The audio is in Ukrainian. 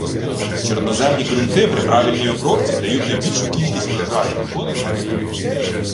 Чорноземні ґрунти при правильній обробці дають найбільшу кількість врожаю